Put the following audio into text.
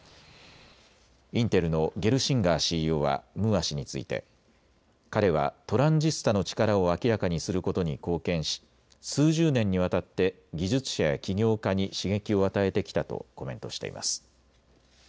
インテルのゲルシンガーＣＥＯはムーア氏について彼はトランジスタの力を明らかにすることに貢献し数十年にわたって技術者や起業家に刺激を与えてきたとコメントしています。